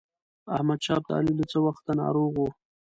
احمدشاه ابدالي له څه وخته ناروغ وو.